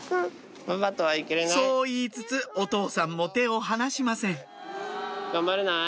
そう言いつつお父さんも手を離しません